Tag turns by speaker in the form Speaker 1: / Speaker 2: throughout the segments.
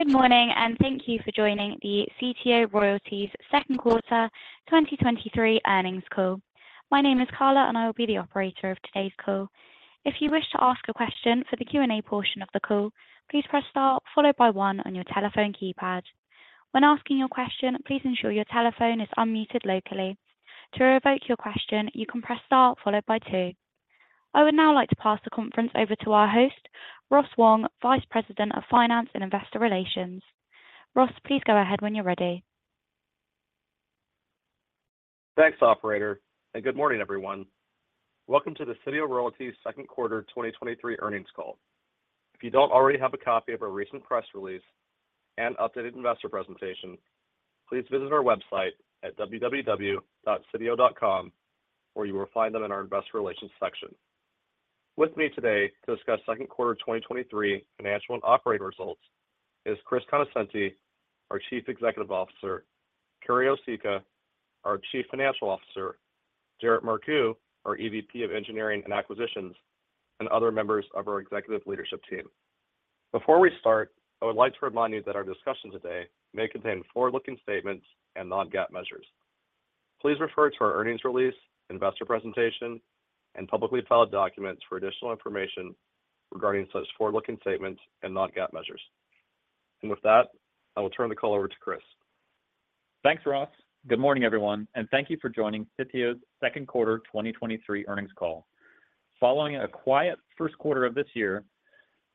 Speaker 1: Good morning, and thank you for joining the Sitio Royalties second quarter 2023 earnings call. My name is Carla, and I will be the operator of today's call. If you wish to ask a question for the Q&A portion of the call, please press star followed by one on your telephone keypad. When asking your question, please ensure your telephone is unmuted locally. To revoke your question, you can press star followed by 2. I would now like to pass the conference over to our host, Ross Wong, Vice President of Finance and Investor Relations. Ross, please go ahead when you're ready.
Speaker 2: Thanks, operator, and good morning, everyone. Welcome to the Sitio Royalties second quarter 2023 earnings call. If you don't already have a copy of our recent press release and updated investor presentation, please visit our website at www.sitio.com, where you will find them in our investor relations section. With me today to discuss second quarter 2023 financial and operating results is Chris Conoscenti, our Chief Executive Officer, Carrie Osicka, our Chief Financial Officer, Jarrett Marcoux, our EVP of Engineering and Acquisitions, and other members of our executive leadership team. Before we start, I would like to remind you that our discussion today may contain forward-looking statements and non-GAAP measures. Please refer to our earnings release, investor presentation, and publicly filed documents for additional information regarding such forward-looking statements and non-GAAP measures. With that, I will turn the call over to Chris.
Speaker 3: Thanks, Ross. Good morning, everyone, and thank you for joining Sitio's second quarter 2023 earnings call. Following a quiet first quarter of this year,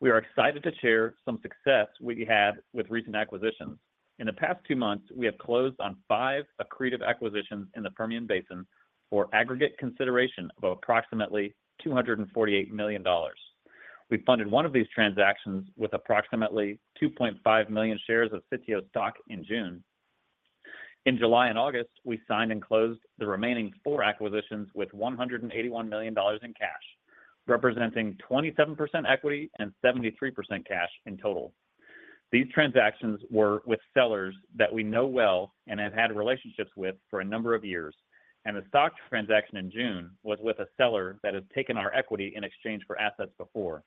Speaker 3: we are excited to share some success we have had with recent acquisitions. In the past two months, we have closed on five accretive acquisitions in the Permian Basin for aggregate consideration of approximately $248 million. We funded one of these transactions with approximately 2.5 million shares of Sitio stock in June. In July and August, we signed and closed the remaining four acquisitions with $181 million in cash, representing 27% equity and 73% cash in total. These transactions were with sellers that we know well and have had relationships with for a number of years, and the stock transaction in June was with a seller that has taken our equity in exchange for assets before.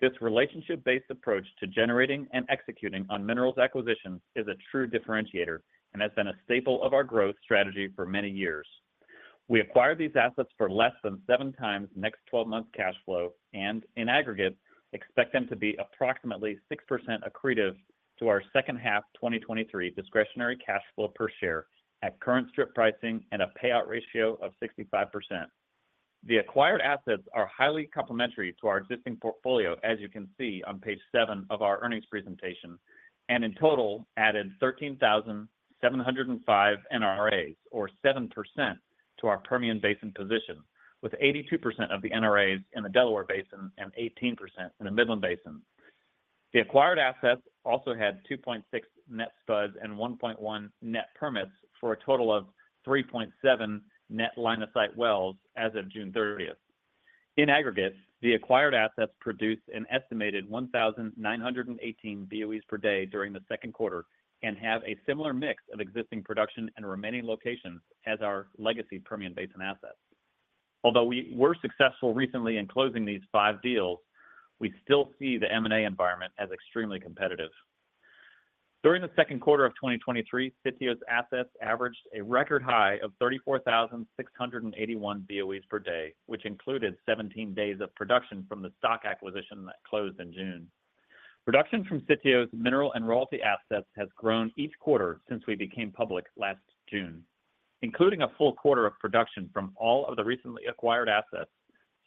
Speaker 3: This relationship-based approach to generating and executing on minerals acquisitions is a true differentiator and has been a staple of our growth strategy for many years. We acquired these assets for less than 7x next 12 months cash flow, and in aggregate, expect them to be approximately 6% accretive to our second half 2023 Discretionary Cash Flow per share at current strip pricing and a payout ratio of 65%. The acquired assets are highly complementary to our existing portfolio, as you can see on page seven of our earnings presentation, and in total, added 13,705 NRAs, or 7% to our Permian Basin position, with 82% of the NRAs in the Delaware Basin and 18% in the Midland Basin. The acquired assets also had 2.6 net spuds and 1.1 net permits for a total of 3.7 net line of sight wells as of June 30th. In aggregate, the acquired assets produced an estimated 1,918 BOEs per day during the second quarter and have a similar mix of existing production and remaining locations as our legacy Permian Basin assets. Although we were successful recently in closing these five deals, we still see the M&A environment as extremely competitive. During the second quarter of 2023, Sitio's assets averaged a record high of 34,681 BOEs per day, which included 17 days of production from the stock acquisition that closed in June. Production from Sitio's mineral and royalty assets has grown each quarter since we became public last June. Including a full quarter of production from all of the recently acquired assets,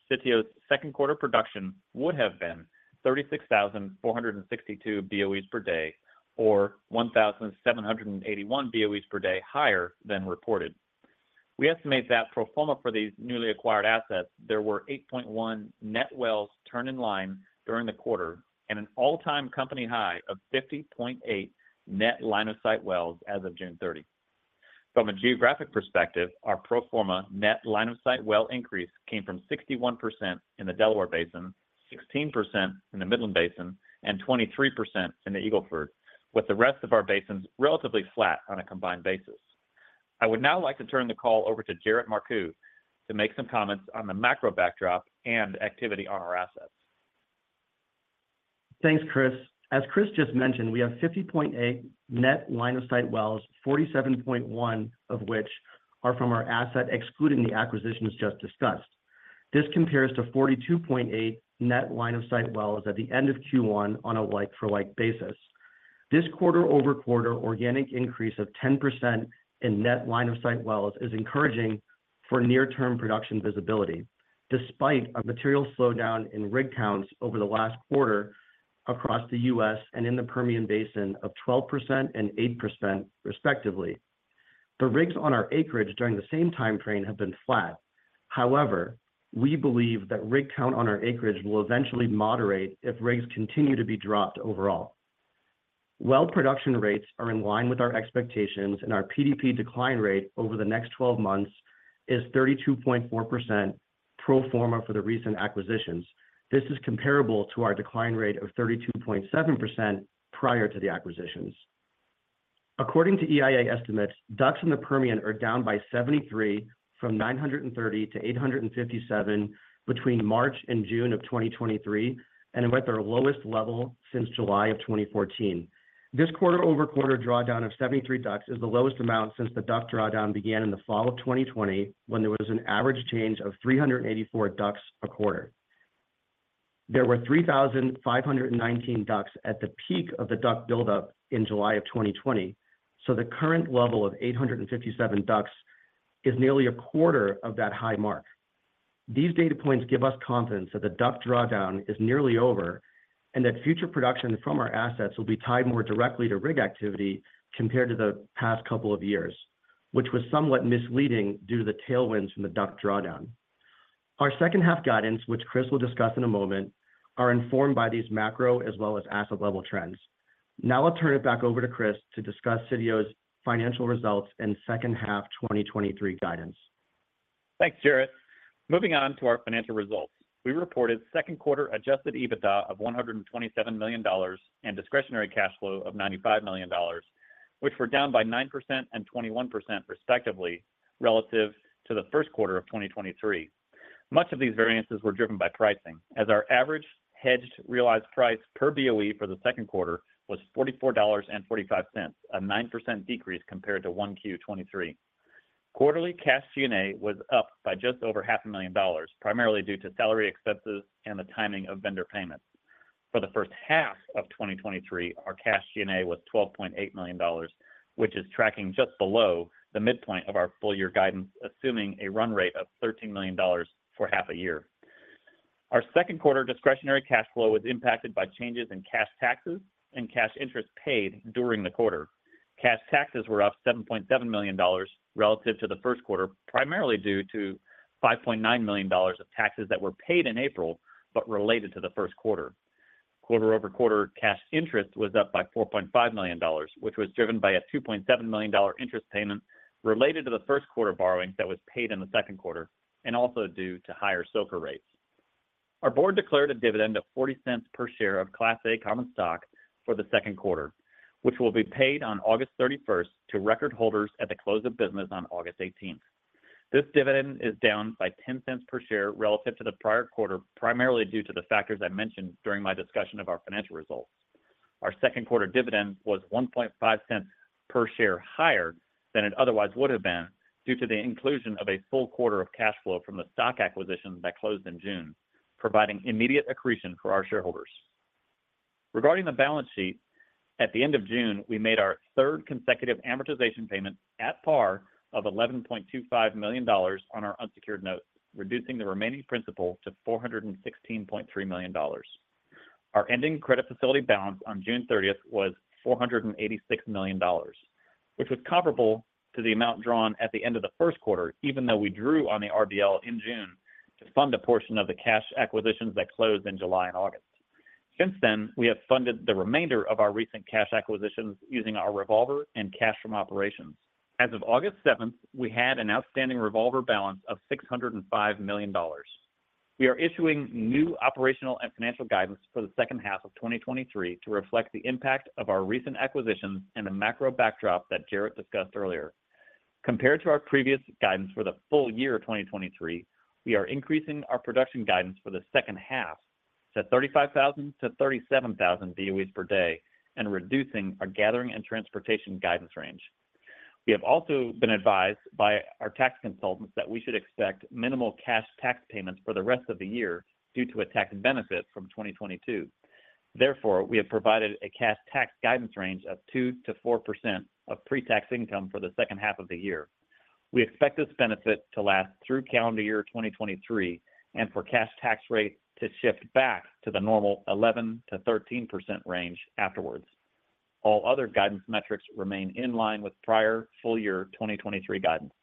Speaker 3: Sitio's second quarter production would have been 36,462 BOEs per day, or 1,781 BOEs per day higher than reported. We estimate that pro forma for these newly acquired assets, there were 8.1 net wells turned in line during the quarter and an all-time company high of 50.8 net line of sight wells as of 30 June. From a geographic perspective, our pro forma net line of sight well increase came from 61% in the Delaware Basin, 16% in the Midland Basin, and 23% in the Eagle Ford, with the rest of our basins relatively flat on a combined basis. I would now like to turn the call over to Jarrett Marcoux to make some comments on the macro backdrop and activity on our assets.
Speaker 4: Thanks, Chris. As Chris just mentioned, we have 50.8 net line of sight wells, 47.1 of which are from our asset, excluding the acquisitions just discussed. This compares to 42.8 net line of sight wells at the end of Q1 on a like for like basis. This quarter-over-quarter organic increase of 10% in net line of sight wells is encouraging for near term production visibility, despite a material slowdown in rig counts over the last quarter across the U.S. and in the Permian Basin of 12% and 8% respectively. The rigs on our acreage during the same time frame have been flat. However, we believe that rig count on our acreage will eventually moderate if rigs continue to be dropped overall. Well production rates are in line with our expectations, our PDP decline rate over the next 12 months is 32.4% pro forma for the recent acquisitions. This is comparable to our decline rate of 32.7% prior to the acquisitions. According to EIA estimates, DUCs in the Permian are down by 73 from 930 to 857 between March and June of 2023, are at their lowest level since July of 2014. This quarter-over-quarter drawdown of 73 DUCs is the lowest amount since the DUC drawdown began in the fall of 2020, when there was an average change of 384 DUCs a quarter. There were 3,519 DUCs at the peak of the DUC buildup in July 2020, so the current level of 857 DUCs is nearly a quarter of that high mark. These data points give us confidence that the DUC drawdown is nearly over, and that future production from our assets will be tied more directly to rig activity compared to the past couple of years, which was somewhat misleading due to the tailwinds from the DUC drawdown. Our second half guidance, which Chris will discuss in a moment, are informed by these macro as well as asset level trends. Now I'll turn it back over to Chris to discuss Sitio's financial results and second half 2023 guidance.
Speaker 3: Thanks, Jarrett. Moving on to our financial results. We reported second quarter adjusted EBITDA of $127 million and Discretionary Cash Flow of $95 million, which were down by 9% and 21% respectively, relative to the first quarter of 2023. Much of these variances were driven by pricing, as our average hedged realized price per BOE for the second quarter was $44.45, a 9% decrease compared to 1Q23. Quarterly cash G&A was up by just over $500,000, primarily due to salary expenses and the timing of vendor payments. For the first half of 2023, our cash G&A was $12.8 million, which is tracking just below the midpoint of our full year guidance, assuming a run rate of $13 million for half a year. Our second quarter Discretionary Cash Flow was impacted by changes in cash taxes and cash interest paid during the quarter. Cash taxes were up $7.7 million relative to the first quarter, primarily due to $5.9 million of taxes that were paid in April, but related to the first quarter. Quarter-over-quarter cash interest was up by $4.5 million, which was driven by a $2.7 million interest payment related to the first quarter borrowing that was paid in the second quarter, and also due to higher SOFR rates. Our board declared a dividend of $0.40 per share of Class A common stock for the second quarter, which will be paid on 31st August to record holders at the close of business on August 18th. This dividend is down by $0.10 per share relative to the prior quarter, primarily due to the factors I mentioned during my discussion of our financial results. Our second quarter dividend was $0.015 per share higher than it otherwise would have been, due to the inclusion of a full quarter of cash flow from the stock acquisitions that closed in June, providing immediate accretion for our shareholders. Regarding the balance sheet, at the end of June, we made our third consecutive amortization payment at par of $11.25 million on our unsecured note, reducing the remaining principal to $416.3 million. Our ending credit facility balance on June 30th was $486 million, which was comparable to the amount drawn at the end of the 1st quarter, even though we drew on the RBL in June to fund a portion of the cash acquisitions that closed in July and August. Since then, we have funded the remainder of our recent cash acquisitions using our revolver and cash from operations. As of 7th August, we had an outstanding revolver balance of $605 million. We are issuing new operational and financial guidance for the 2nd half of 2023 to reflect the impact of our recent acquisitions and the macro backdrop that Jarrett discussed earlier. Compared to our previous guidance for the full year of 2023, we are increasing our production guidance for the second half to 35,000-37,000 BOEs per day and reducing our gathering and transportation guidance range. We have also been advised by our tax consultants that we should expect minimal cash tax payments for the rest of the year due to a tax benefit from 2022. Therefore, we have provided a cash tax guidance range of 2%-4% of pre-tax income for the second half of the year. We expect this benefit to last through calendar year 2023 and for cash tax rate to shift back to the normal 11%-13% range afterwards. All other guidance metrics remain in line with prior full year 2023 guidance.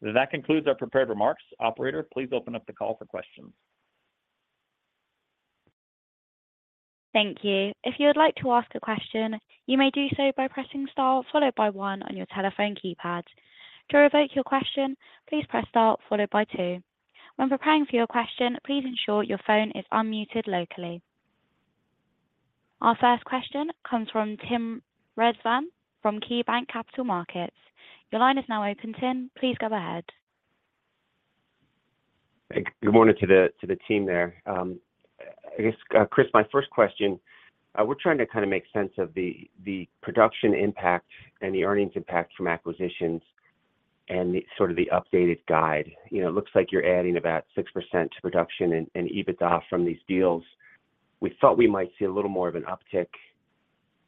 Speaker 3: That concludes our prepared remarks. Operator, please open up the call for questions.
Speaker 1: Thank you. If you would like to ask a question, you may do so by pressing star followed by 1 on your telephone keypad. To revoke your question, please press star followed by two. When preparing for your question, please ensure your phone is unmuted locally. Our first question comes from Tim Rezvan from KeyBanc Capital Markets. Your line is now open, Tim. Please go ahead.
Speaker 5: Good morning to the, to the team there. I guess, Chris, my first question, we're trying to kinda make sense of the, the production impact and the earnings impact from acquisitions and the sort of the updated guide. You know, it looks like you're adding about 6% to production and, and EBITDA from these deals. We thought we might see a little more of an uptick,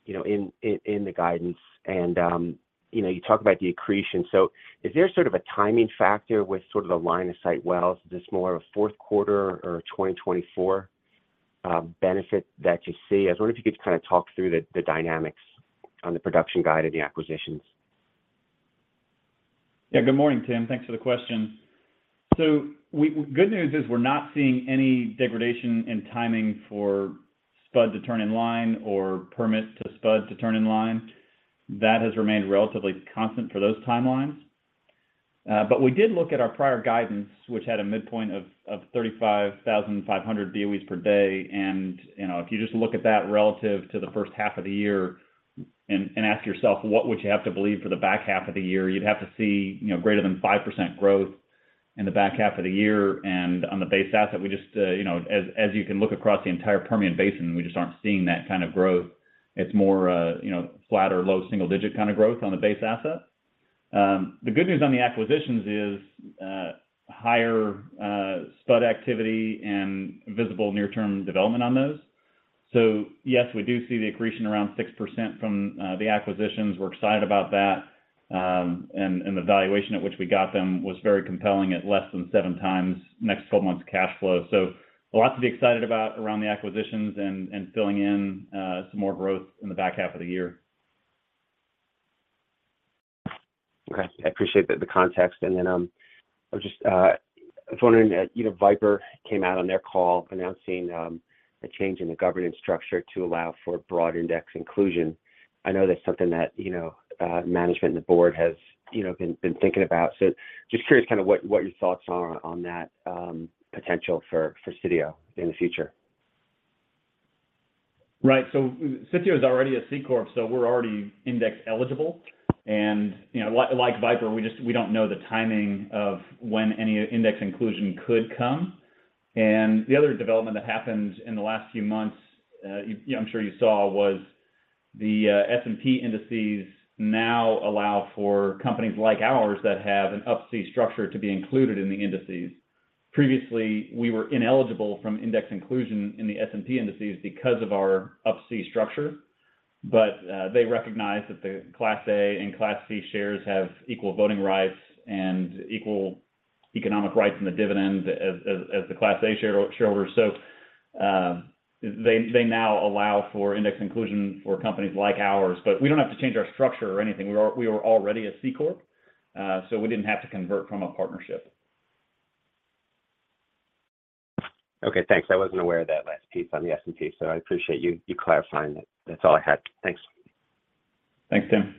Speaker 5: you know, in, in, in the guidance and, you know, you talk about the accretion. Is there sort of a timing factor with sort of the line of sight wells? Is this more a fourth quarter or 2024 benefit that you see? I was wondering if you could kinda talk through the, the dynamics on the production guide and the acquisitions.
Speaker 3: Yeah. Good morning, Tim. Thanks for the question. We-- good news is we're not seeing any degradation in timing for spud to turn in line or permits to spud to turn in line. That has remained relatively constant for those timelines. But we did look at our prior guidance, which had a midpoint of, of 35,500 BOEs per day. You know, if you just look at that relative to the first half of the year and, and ask yourself, what would you have to believe for the back half of the year? You'd have to see, you know, greater than 5% growth in the back half of the year. On the base asset, we just, you know, as, as you can look across the entire Permian Basin, we just aren't seeing that kind of growth. It's more, you know, flat or low single digit kind of growth on the base asset. The good news on the acquisitions is higher spud activity and visible near-term development on those. Yes, we do see the accretion around 6% from the acquisitions. We're excited about that, and the valuation at which we got them was very compelling at less than 7x next 12 months cash flow. A lot to be excited about around the acquisitions and filling in some more growth in the back half of the year.
Speaker 5: Okay, I appreciate the, the context. I was just, I was wondering, you know, Viper came out on their call announcing a change in the governance structure to allow for broad index inclusion. I know that's something that, you know, management and the board has, you know, been, been thinking about. Just curious kind of what, what your thoughts are on that potential for, for Sitio in the future.
Speaker 3: Right. Sitio is already a C corp, so we're already index eligible. You know, like, like Viper, we don't know the timing of when any index inclusion could come. The other development that happened in the last few months, you know, I'm sure you saw, was the S&P indices now allow for companies like ours that have an Up-C structure to be included in the indices. Previously, we were ineligible from index inclusion in the S&P indices because of our Up-C structure. They recognize that the Class A and Class C shares have equal voting rights and equal economic rights in the dividends as, as, as the Class A shareholder, shareholders. They, they now allow for index inclusion for companies like ours, but we don't have to change our structure or anything. We were, we were already a C corp, so we didn't have to convert from a partnership.
Speaker 5: Okay, thanks. I wasn't aware of that last piece on the S&P. I appreciate you, you clarifying it. That's all I had. Thanks.
Speaker 3: Thanks, Tim.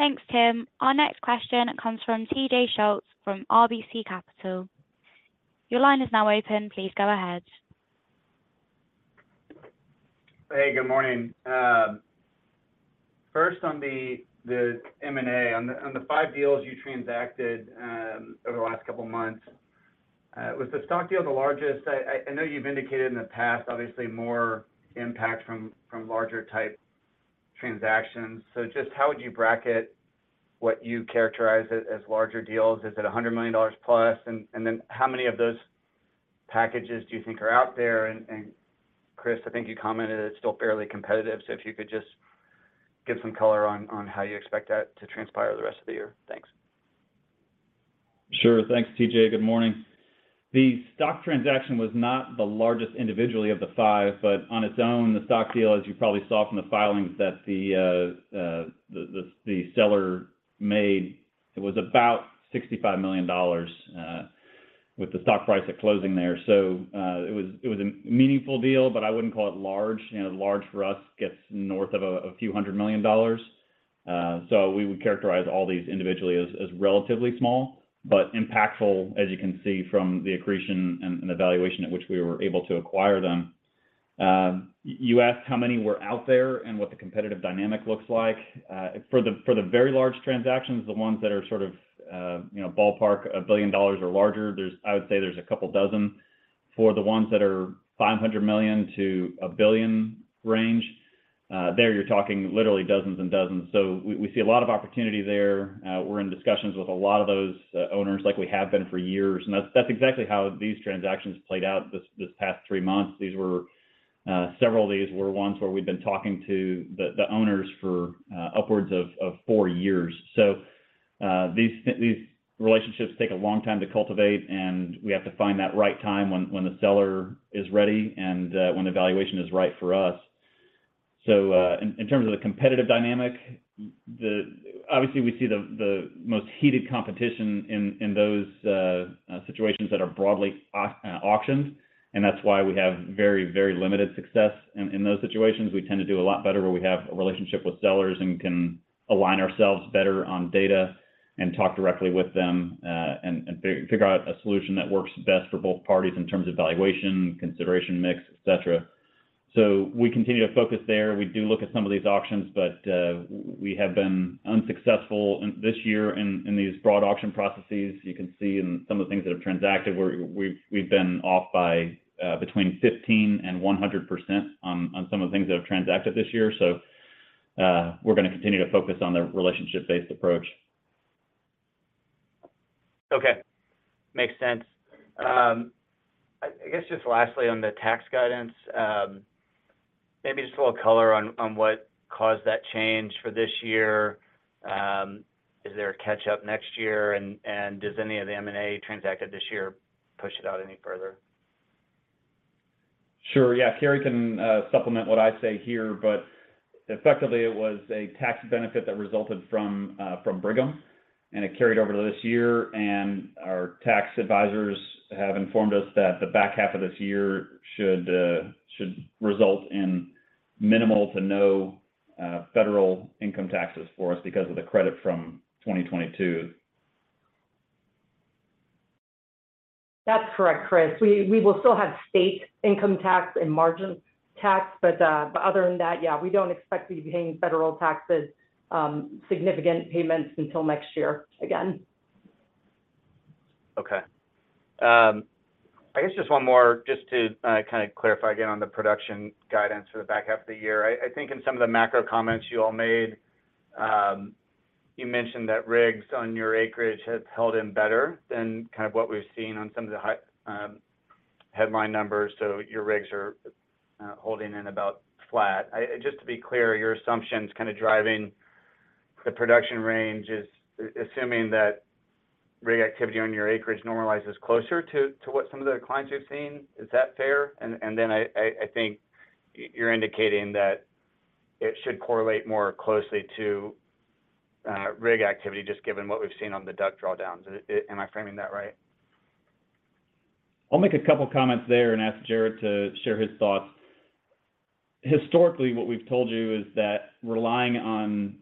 Speaker 1: Thanks, Tim. Our next question comes from TJ Schultz from RBC Capital. Your line is now open. Please go ahead.
Speaker 6: Hey, good morning. First on the, the M&A, on the, on the 5 deals you transacted, over the last couple of months, was the stock deal the largest? I, I, I know you've indicated in the past, obviously, more impact from, from larger type transactions. Just how would you bracket what you characterize as, as larger deals? Is it $100 million plus? Then how many of those packages do you think are out there? Chris, I think you commented it's still fairly competitive. If you could just give some color on, on how you expect that to transpire the rest of the year. Thanks.
Speaker 3: Sure. Thanks, TJ. Good morning. The stock transaction was not the largest individually of the five, but on its own, the stock deal, as you probably saw from the filings that the seller made, it was about $65 million, with the stock price at closing there. It was, it was a meaningful deal, but I wouldn't call it large. You know, large for us gets north of a few hundred million dollars. We would characterize all these individually as relatively small, but impactful, as you can see from the accretion and evaluation at which we were able to acquire them. You asked how many were out there and what the competitive dynamic looks like. For the, for the very large transactions, the ones that are sort of, you know, ballpark $1 billion or larger, there's, I would say, a couple dozen. For the ones that are $500 million-$1 billion range, there you're talking literally dozens and dozens. We, we see a lot of opportunity there. We're in discussions with a lot of those, owners like we have been for years, and that's, that's exactly how these transactions played out this, this past three months. These were, several of these were ones where we've been talking to the, the owners for, upwards of, four years. These, these relationships take a long time to cultivate, and we have to find that right time when, when the seller is ready and, when the valuation is right for us. In, in terms of the competitive dynamic, obviously, we see the, the most heated competition in, in those situations that are broadly auctioned, and that's why we have very, very limited success in, in those situations. We tend to do a lot better where we have a relationship with sellers and can align ourselves better on data and talk directly with them, and figure out a solution that works best for both parties in terms of valuation, consideration, mix, et cetera. We continue to focus there. We do look at some of these auctions. We have been unsuccessful in this year in, in these broad auction processes. You can see in some of the things that have transacted, we've been off by, between 15 and 100% on some of the things that have transacted this year. We're gonna continue to focus on the relationship-based approach.
Speaker 6: Okay. Makes sense. I, I guess just lastly on the tax guidance, maybe just a little color on, on what caused that change for this year. Is there a catch-up next year? And does any of the M&A transacted this year push it out any further?
Speaker 3: Sure. Yeah. Carrie can supplement what I say here, but effectively, it was a tax benefit that resulted from from Brigham. It carried over to this year, and our tax advisors have informed us that the back half of this year should should result in minimal to no federal income taxes for us because of the credit from 2022.
Speaker 7: That's correct, Chris. We, we will still have state income tax and margin tax, but, but other than that, yeah, we don't expect to be paying federal taxes, significant payments until next year again.
Speaker 6: Okay. I guess just one more just to, kind of clarify again on the production guidance for the back half of the year. I think in some of the macro comments you all made, you mentioned that rigs on your acreage has held in better than kind of what we've seen on some of the high, headline numbers, so your rigs are, holding in about flat. I, just to be clear, your assumptions kind of driving the production range is assuming that rig activity on your acreage normalizes closer to, to what some of the declines you've seen. Is that fair? And then I think you're indicating that it should correlate more closely to rig activity, just given what we've seen on the DUCs drawdowns. Am I framing that right?
Speaker 3: I'll make a couple comments there and ask Jarrett to share his thoughts. Historically, what we've told you is that relying on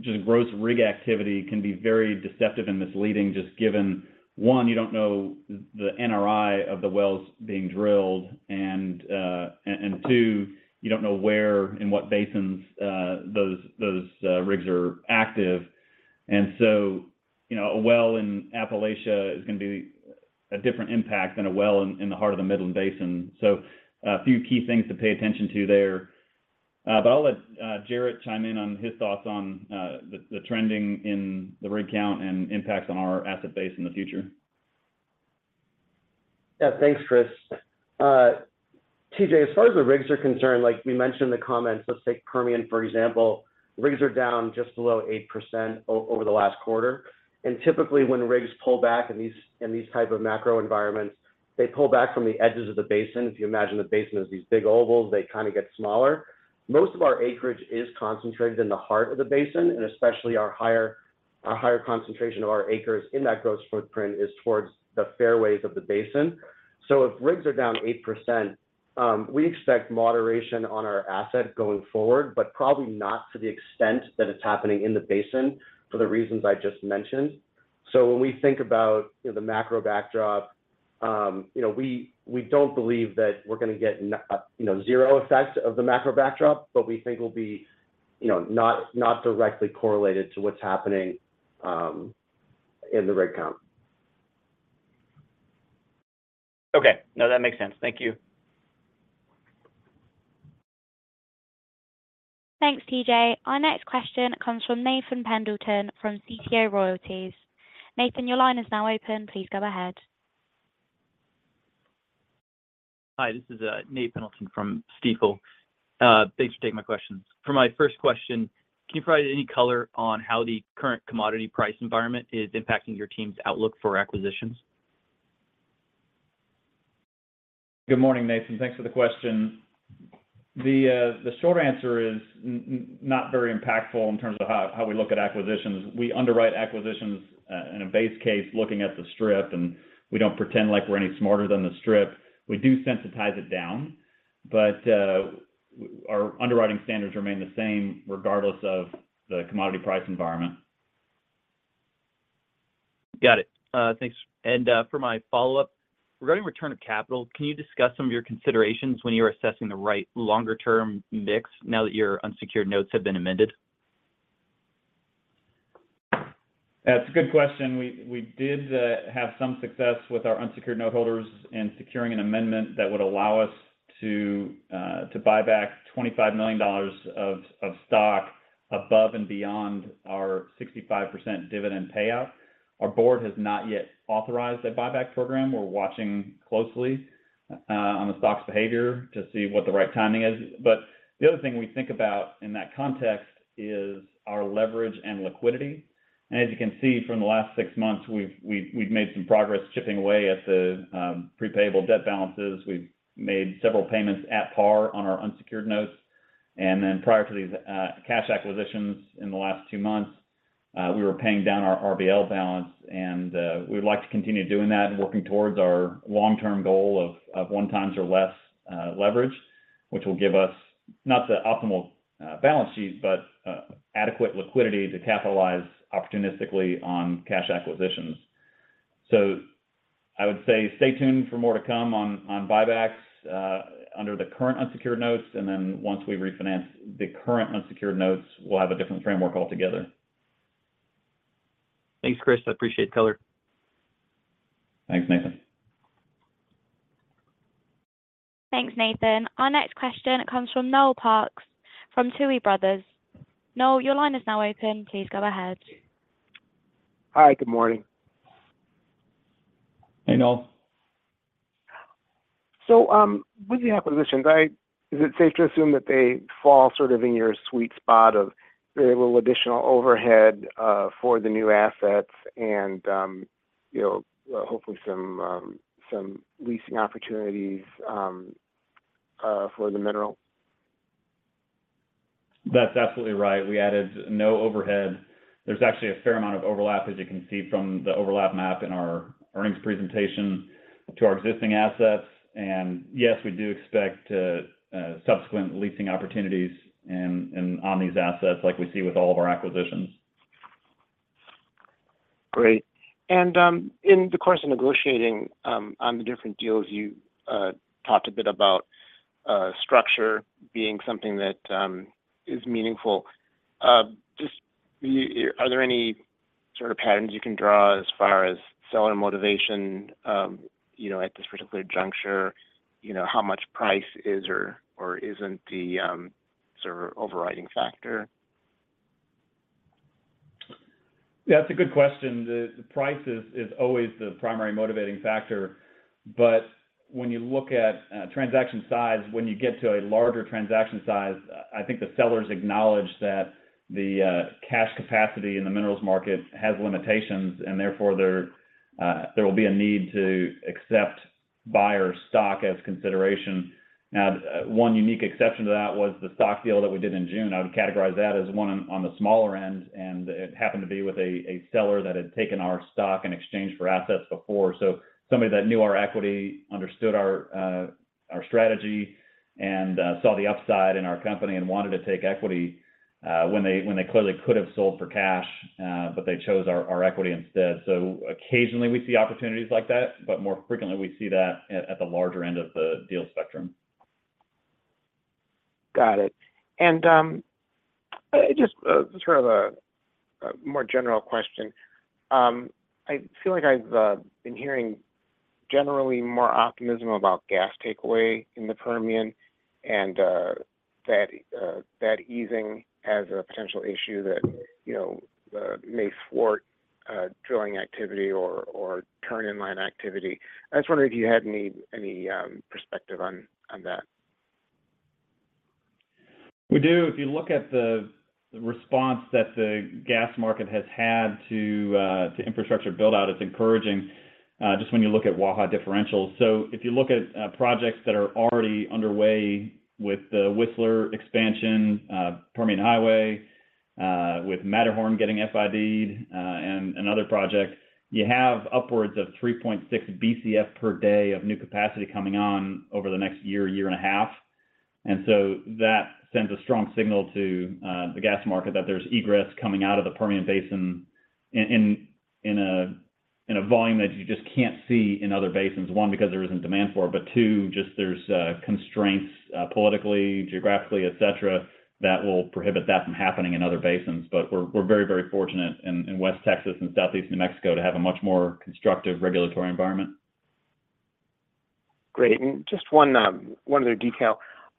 Speaker 3: just gross rig activity can be very deceptive and misleading, just given, one, you don't know the NRI of the wells being drilled, and two, you don't know where, in what basins, those, those, rigs are active. So, you know, a well in Appalachia is going to be a different impact than a well in the heart of the Midland Basin. A few key things to pay attention to there. I'll let Jarrett chime in on his thoughts on the trending in the rig count and impacts on our asset base in the future.
Speaker 4: Yeah, thanks, Chris. TJ, as far as the rigs are concerned, like we mentioned in the comments, let's take Permian, for example. Rigs are down just below 8% over the last quarter, and typically when rigs pull back in these, in these type of macro environments, they pull back from the edges of the basin. If you imagine the basin as these big ovals, they kind of get smaller. Most of our acreage is concentrated in the heart of the basin, and especially our higher, our higher concentration of our acres in that gross footprint is towards the fairways of the basin. If rigs are down 8%, we expect moderation on our asset going forward, but probably not to the extent that it's happening in the basin for the reasons I just mentioned. When we think about, you know, the macro backdrop, you know, we, we don't believe that we're going to get, you know, 0 effect of the macro backdrop, but we think we'll be, you know, not, not directly correlated to what's happening in the rig count.
Speaker 6: Okay. No, that makes sense. Thank you.
Speaker 1: Thanks, TJ. Our next question comes from Nate Pendleton from Stifel. Nathan, your line is now open. Please go ahead.
Speaker 8: Hi, this is Nate Pendleton from Stifel. Thanks for taking my questions. For my first question, can you provide any color on how the current commodity price environment is impacting your team's outlook for acquisitions?
Speaker 3: Good morning, Nathan. Thanks for the question. The short answer is not very impactful in terms of how we look at acquisitions. We underwrite acquisitions in a base case, looking at the strip, and we don't pretend like we're any smarter than the strip. We do sensitize it down, but our underwriting standards remain the same regardless of the commodity price environment.
Speaker 8: Got it. Thanks. For my follow-up, regarding return of capital, can you discuss some of your considerations when you were assessing the right longer-term mix now that your unsecured notes have been amended?
Speaker 3: That's a good question. We did have some success with our unsecured noteholders in securing an amendment that would allow us to buy back $25 million of, of stock above and beyond our 65% dividend payout. Our board has not yet authorized that buyback program. We're watching closely on the stock's behavior to see what the right timing is. The other thing we think about in that context is our leverage and liquidity. As you can see from the last 6 months, we've made some progress chipping away at the prepayable debt balances. We've made several payments at par on our unsecured notes, and then prior to these cash acquisitions in the last two months, we were paying down our RBL balance, and we'd like to continue doing that and working towards our long-term goal of one times or less leverage, which will give us not the optimal balance sheet, but adequate liquidity to capitalize opportunistically on cash acquisitions. I would say stay tuned for more to come on buybacks under the current unsecured notes, and then once we refinance the current unsecured notes, we'll have a different framework altogether.
Speaker 8: Thanks, Chris. I appreciate the color.
Speaker 3: Thanks, Nathan.
Speaker 1: Thanks, Nathan. Our next question comes from Noel Parks from Tuohy Brothers. Noel, your line is now open. Please go ahead.
Speaker 9: Hi, good morning.
Speaker 3: Hey, Noel.
Speaker 9: With the acquisitions, Is it safe to assume that they fall sort of in your sweet spot of very little additional overhead for the new assets and, you know, hopefully some leasing opportunities for the mineral?
Speaker 3: That's absolutely right. We added no overhead. There's actually a fair amount of overlap, as you can see from the overlap map in our earnings presentation, to our existing assets. Yes, we do expect subsequent leasing opportunities on these assets, like we see with all of our acquisitions.
Speaker 9: Great. In the course of negotiating on the different deals, you talked a bit about structure being something that is meaningful. Just are there any sort of patterns you can draw as far as seller motivation, you know, at this particular juncture? You know, how much price is or, or isn't the sort of overriding factor?
Speaker 3: That's a good question. The price is always the primary motivating factor, but when you look at transaction size, when you get to a larger transaction size, I think the sellers acknowledge that the cash capacity in the minerals market has limitations, and therefore, there will be a need to accept buyer stock as consideration. One unique exception to that was the stock deal that we did in June. I would categorize that as one on the smaller end, and it happened to be with a seller that had taken our stock in exchange for assets before. Somebody that knew our equity, understood our strategy, and saw the upside in our company and wanted to take equity when they clearly could have sold for cash, but they chose our equity instead. Occasionally we see opportunities like that, but more frequently, we see that at the larger end of the deal spectrum.
Speaker 9: Got it. Just sort of a more general question. I feel like I've been hearing generally more optimism about gas takeaway in the Permian, and that easing as a potential issue that, you know, may thwart drilling activity or turn-in-line activity. I was wondering if you had any perspective on that?
Speaker 3: We do. If you look at the, the response that the gas market has had to infrastructure build-out, it's encouraging, just when you look at Waha differentials. If you look at projects that are already underway with the Whistler expansion, Permian Highway, with Matterhorn getting FID'd, and other projects, you have upwards of 3.6 BCF per day of new capacity coming on over the next year, year and a half. That sends a strong signal to the gas market that there's egress coming out of the Permian Basin in a volume that you just can't see in other basins, one, because there isn't demand for it, but two, just there's constraints, politically, geographically, et cetera, that will prohibit that from happening in other basins. We're, we're very, very fortunate in, in West Texas and Southeast New Mexico to have a much more constructive regulatory environment.
Speaker 9: Great. Just one, one other detail.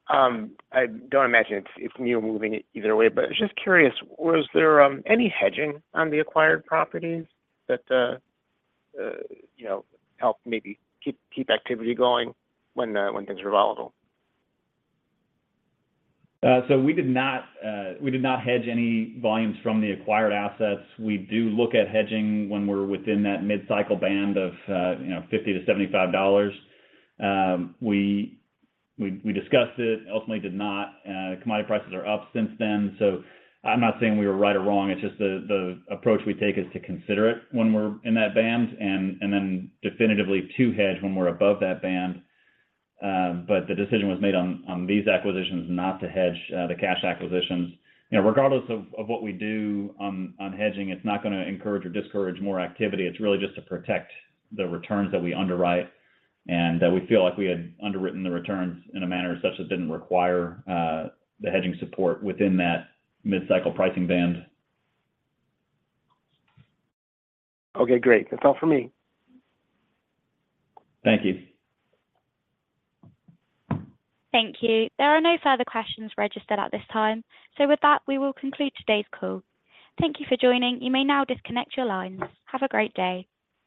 Speaker 9: I don't imagine it's, it's you moving it either way, but I was just curious, was there, any hedging on the acquired properties that, you know, helped maybe keep, keep activity going when, when things were volatile?
Speaker 3: We did not, we did not hedge any volumes from the acquired assets. We do look at hedging when we're within that mid-cycle band of, you know, $50-$75. We, we, we discussed it, ultimately did not. Commodity prices are up since then, so I'm not saying we were right or wrong, it's just the, the approach we take is to consider it when we're in that band, and, and then definitively to hedge when we're above that band. The decision was made on, on these acquisitions not to hedge, the cash acquisitions. You know, regardless of, of what we do on, on hedging, it's not gonna encourage or discourage more activity. It's really just to protect the returns that we underwrite, and that we feel like we had underwritten the returns in a manner such as didn't require the hedging support within that mid-cycle pricing band.
Speaker 9: Okay, great. That's all for me.
Speaker 3: Thank you.
Speaker 1: Thank you. There are no further questions registered at this time. With that, we will conclude today's call. Thank you for joining. You may now disconnect your lines. Have a great day.